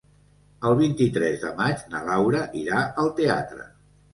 El vint-i-tres de maig na Laura irà al teatre.